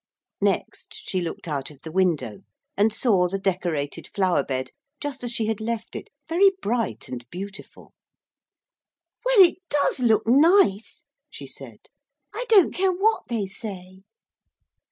Next she looked out of the window, and saw the decorated flower bed, just as she had left it, very bright and beautiful. 'Well, it does look nice,' she said. 'I don't care what they say.'